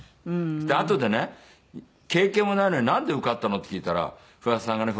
であとでね経験もないのになんで受かったのって聞いたら不破さんがね